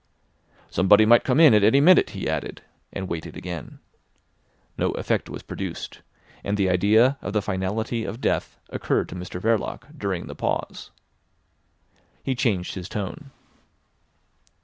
"Somebody might come in at any minute," he added, and waited again. No effect was produced, and the idea of the finality of death occurred to Mr Verloc during the pause. He changed his tone.